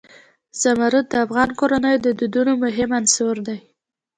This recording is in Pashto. زمرد د افغان کورنیو د دودونو مهم عنصر دی.